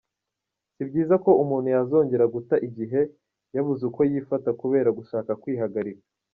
Si byiza ko umuntu yazongera guta igihe yabuze uko yifata kubera gushaka kwihagarika.